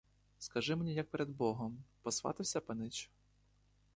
Скажи мені як перед богом, посватався панич?